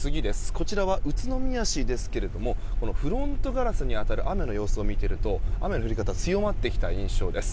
こちらは宇都宮市ですけれどもフロントガラスに当たる雨の様子を見ていると雨の降り方が強まってきた印象です。